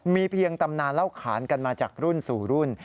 มีเพียงตำนานเล่าขานกันมาจากรุ่นสู่รุ่น